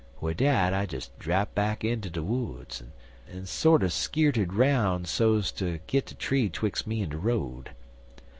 Wid dat I des drapt back inter de woods, en sorter skeerted 'roun' so's ter git de tree 'twixt' me en de road.